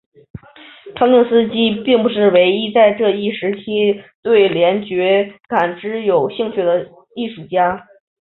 康定斯基并不是唯一在这一时期对联觉感知有兴趣的艺术家。